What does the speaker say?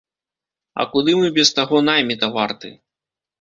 А куды мы без таго найміта варты?!